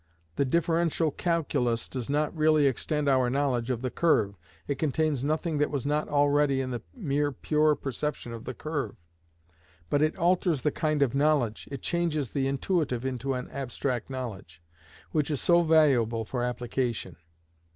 The differential calculus does not really extend our knowledge of the curve, it contains nothing that was not already in the mere pure perception of the curve; but it alters the kind of knowledge, it changes the intuitive into an abstract knowledge, which is so valuable for application.